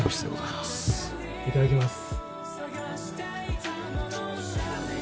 いただきます。